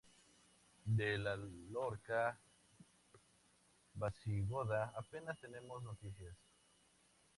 De la Lorca visigoda apenas tenemos noticias.